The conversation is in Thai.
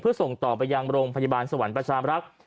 เพื่อส่งต่อไปยังโรงพยาบาลสวรรค์ประชามรักษ์